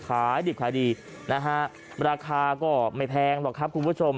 ขายดิบขายดีนะฮะราคาก็ไม่แพงหรอกครับคุณผู้ชม